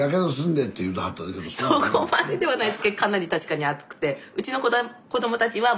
そこまでではないですけどかなり確かに熱くて夏は。